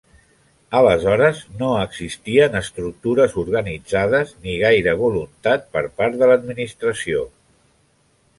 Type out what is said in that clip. Aleshores, existien estructures organitzades ni gaire voluntat per part de l'Administració.